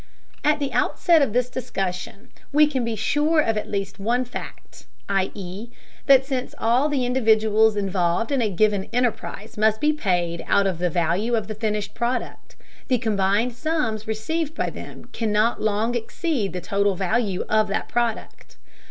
At the outset of the discussion, we can be sure of at least one fact, i.e. that since all the individuals involved in a given enterprise must be paid out of the value of the finished product, the combined sums received by them cannot long exceed the total value of that product.